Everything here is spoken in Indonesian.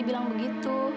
dia bilang begitu